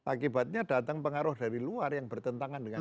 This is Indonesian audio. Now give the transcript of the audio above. akibatnya datang pengaruh dari luar yang bertentangan dengan